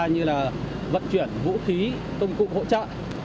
như là vận chuyển vũ khí công cụ hỗ trợ